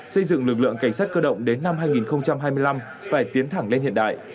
xây dựng lực lượng cảnh sát cơ động đến năm hai nghìn hai mươi năm phải tiến thẳng lên hiện đại